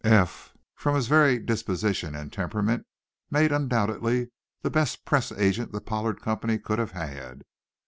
Eph, from his very disposition and temperament, made undoubtedly the best press agent the Pollard Company could have had.